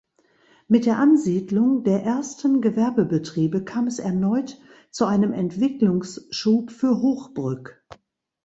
Mit der Ansiedlung der ersten Gewerbebetriebe kam es erneut zu einem Entwicklungsschub für Hochbrück.